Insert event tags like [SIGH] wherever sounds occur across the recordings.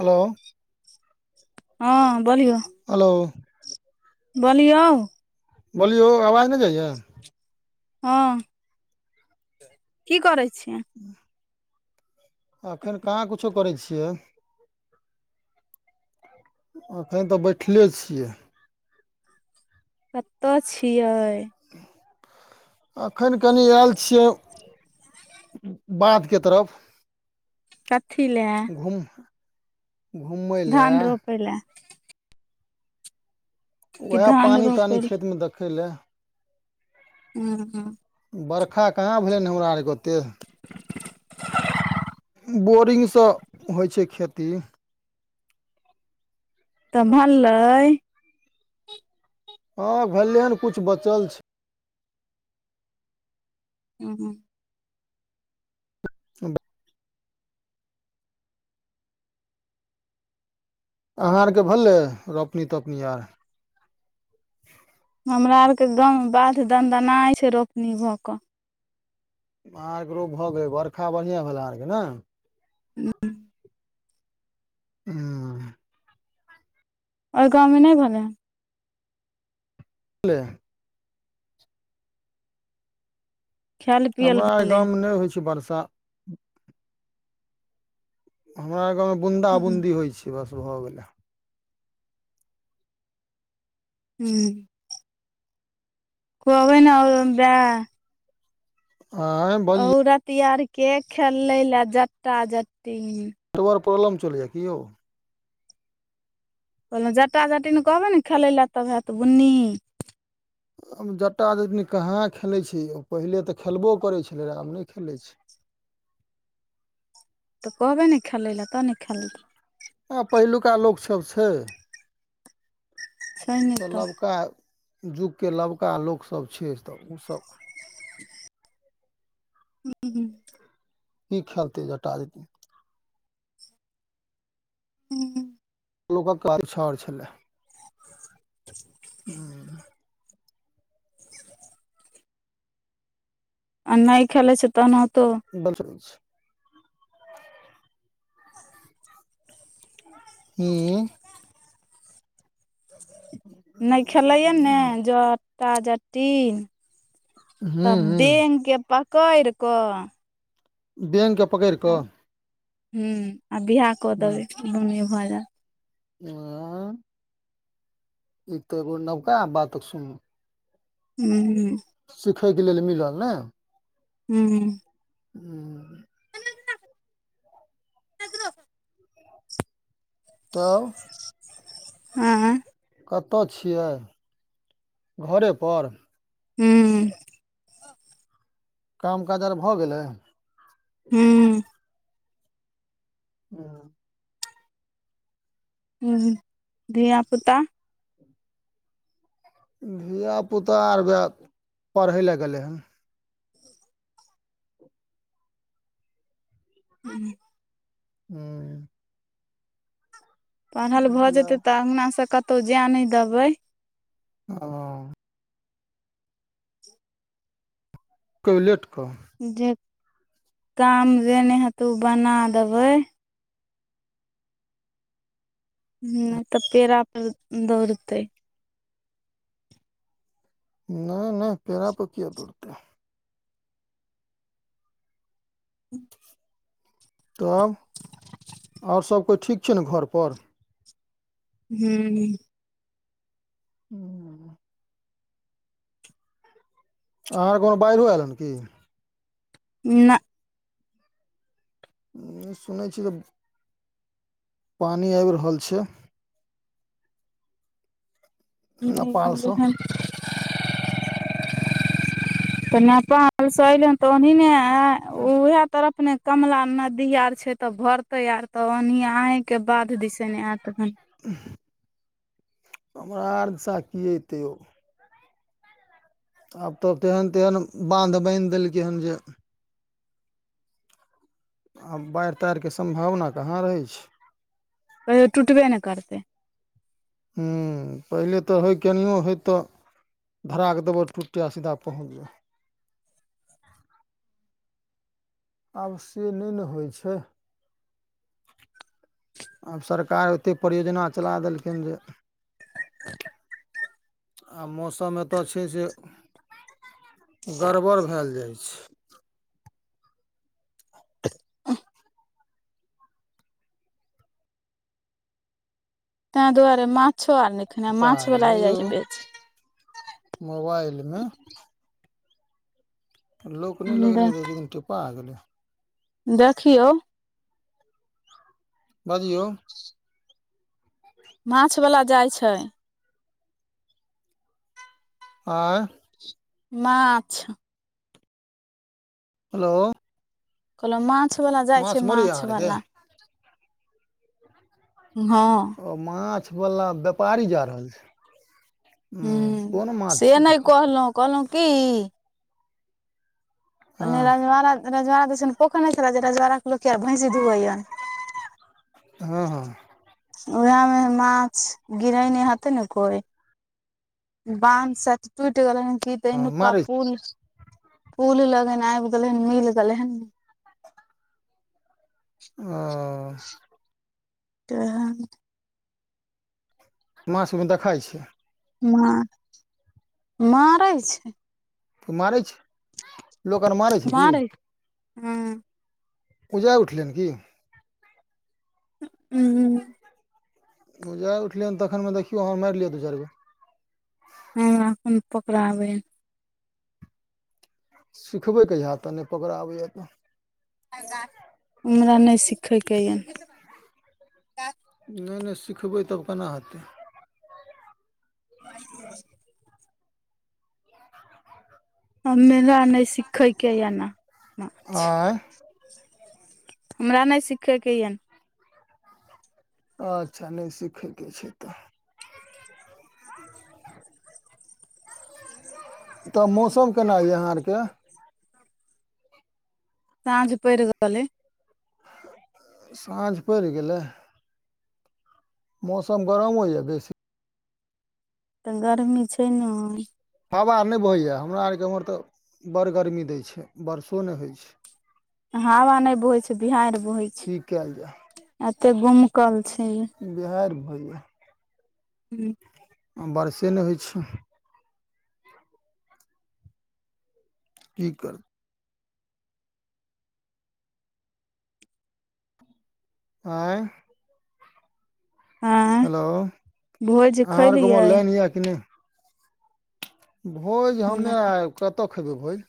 Hello. हँ बोलिऔ। Hello. बोलिऔ। बोलियौ आवाज नहि जाइये। हँ। की करै छियै। [INAUDIBLE] अखन कहाँ किछो करै छियै। एखन तऽ बैठले छियै। कतऽ छियै। एखन कनि आयल छियै बाँधके तरफ। कथी लए। घुम घुमय लए धान रोपै ले। कि उएह धान पानि रोपै तानि ल खेतमे देखै लै। हँ हँ। बरखा कहाँ भेलै हमरा आरके ओतेक। बोरिंगसँ होइ छैय खेती। त‌ऽ भललै। हँ भेलै हन किछु बचल छैय। ह ह। अहाँ आरके भेललै रोपनी तोपनी आर। हमरा आरके गाँम बाध दन्दनाइ छै रोपनी भऽ कऽ। आरके रोप भऽ गेलै बरखा बढ़िआं भेला अहां आरके ने। हुं। हुं। आओर गाँवमे नहि भेलै हन। भेलैे। खायल पियल हमरा आर भेलै गाँवमे नहि होइ छैय बरसा। हमरा गाँवमे बुन्दा हूँ बून्दी होइ छैय बस भऽ गेलै। हूँ। कोबै न [UNINTELLIGIBLE] आइ। औरत आर के खेले ले जटा जटी। नेटवर्क प्रॉब्लम चलैयए कि यौ। ओएमे जटा जटिन कहबै ने खेलै लए तब हयत बुन्नी। हम जटा जटिन कहाँ खेलैत छी पहिले तऽ खेलबो करैत छलै रहए आब नहि खेलैत छैय। तऽ कहबै ने खेलय लए तब ने खेलते। आब पहिलुका लोकसभ छैय। छै आब ने तऽ नबका युगके नबका लोकसभ छैय तऽ ओसभ [INAUDIBLE] की खेलते जटा जटिन। हूँ। लोकक काल छर छलै। हूॅं। आ नहि खेले छै तहन होतौ। बस बस। हू। नहि खेलैए ने जटा जटिन। हूँ तब हूँ बेंग के पकड़ कऽ। बेंग के पकड़ि कऽ। हूं आ बिवाह कऽ देबै दुनी भऽ जायत। ह। ई तऽ एगो नबका बात सुनू। हूॅं। सिखयके लेल मिलल ने। हूॅं। हूॅं। त। तऽब। हँ। कतऽ छियै घरेपर। हूॅं। काम काज आर भऽ गेलै। हूँ। किहाल। हूँ धियापुता। धिआपुता आर वेह पढ़ै लए गेलै हन। हूॅं। हूँ। पढ़ल भऽ धिया जेतै तऽ अंगनासँ कतो जाय नहि देबै। हॅं। कहि लेट कऽ। जे काम जे नहि हतै ओ बना देबै। हुं तऽ पेड़ा पर दौड़तै। नहि नहि पेड़ा पर किया दोड़तेै‌। तब आओर सब कोइ ठीक छै न घरपर। हूॅं। हूॅं। अहाँके आर के ओन बाढ़ो एल हन कि। नहि। सुनै छी तऽ। पानी आबि रहल छै। नहि नेपालसँ जेहन। तऽ नेपाल से एलै हन तऽ ओह ने उएह तरफ ने। कमला नदी आर छै, तऽ भरतै आर तऽ ओनहि अहीके बाध दिस आयत अखन। हमरा आर दिसा की अतै यौ। आब तऽ तेहन -तेहन बान्ध बैन्ह देलकै हन जे आब बाइढ़-ताइढ़ के सम्भावना कहाँ रहै छै। कहियो टुटबे ने करतै। हूँ पहिले तऽ होइ केनिओ होइ तऽ धराकऽ दबड़ टुटै आ सीधा पहुँच जाय। आब से नै ने होय छै। आब सरकार ओते परियोजना चला देलखिन जे आब मौसम एतअ छै जे गड़बड़ भएल जाय छै। तेंए दुआरे माछो ओर नै खेना टिपा माछ वला जाय छै बेच मोबाइल मे लोक नै लगने बेच रहैऽ एक दिन टिप्पा गेलै। देखियौ बजियौ। माछ वला जाय छै। आंँय माछ हेलो कहलो माछ वला जाय छै मरैये अहाँ माछ आरके वला। नहँ। ओ माछ वला व्यापारी जा रहल छै हूँ कोन माछ छैय तऽ। कहलौ की हँ ओनी रज- रजवड़ा दिसन पोखर नै छेलै जे रजवाड़क लोक ओर भैंसी दुहैया। हँ हँ। उएह मे माछ गिरैने हेतै ने कोय। बांध सायद टुइट गेलैन कि हँ पहिनुका मारै पुल -पुल लगन आइब गेलैन मिल गेलैन। ओ तेंहन माछ मे दखाइ छै। नै मारै छै। मारै छै। लोक आर मारै छै की मारेै हूँ। उजाइ उठलै हन की [UNINTELLIGIBLE] उजाइ उठलैन तखन मे देखियौ आहाँ मैर लिअ दू चैर गो। हूँ हमहुँ पकड़ाबेै हेँ। सिखबै कहिया तऽ नै पकड़ा आबैया तऽ। हमरा नै सिखै के यए। नय -नय सिखबै तब केना हेतै। [UNINTELLIGIBLE] हमरा नै सिखैय के या नऽ आँय हमरा नै सिखै के या। अच्छा नै सिखयके छै तऽ। ओतऽ मौसम केना यऽ अहाँ आर के साँझ पैड़ गलै। साँझ पैड़ गेलै। मौसम गरमो या बेसी तऽ गर्मी छै नेैय। हावा ओर नै बहैया हमरा आर के एम्हर तऽ बड़ गरमी दै छै बर्षो नै होय छै। हवा नै बहै छै बिहैर बहेै की केएल जेए। एते गुमकल छै। बिहैर बहइया। हूँ। बर्षए नै होय छै। की कर आँय आँय हेलो भोज आहाँ और गाँव मे खैलियै लैन यए कि नैय। भोज हमरा हमे आ कतऽ खेबै भोज।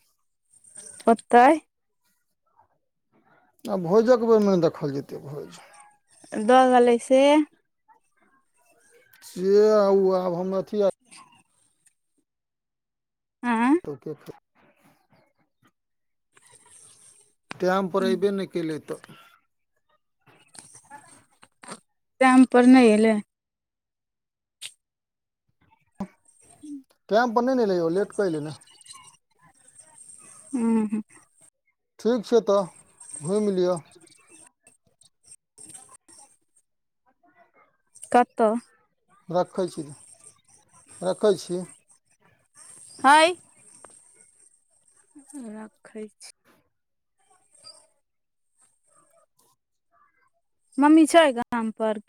ओतैय। आब भोजक बेर मे ना देखल जेतै भोज। दऽ गेलै से से आउ आब हम अथी आर [INAUDIBLE] आँ [UNINTELLIGIBLE] टाइम पर अऐबे नै केलै तऽ। टाइम पर नै एलै। टैम पर नै ने एलै ओ लेट के एलेै ने। हूँ। ठीक छै तऽ घुइम लिअ। [UNINTELLIGIBLE] कतऽ रखै छी - रखै छी। हैय रखै छी। मम्मी छै गाम पर